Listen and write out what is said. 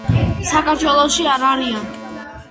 საქართველოში არ არიან.